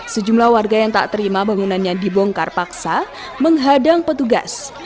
sejumlah warga yang tak terima bangunannya dibongkar paksa menghadang petugas